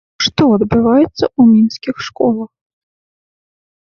Што адбываецца ў мінскіх школах?